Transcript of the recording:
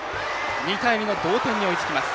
２対２の同点に追いつきます。